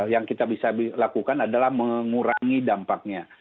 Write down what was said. yang kita bisa lakukan adalah mengurangi dampaknya